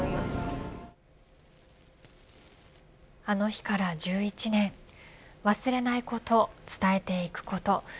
あの日から１１年忘れないこと伝えていくこと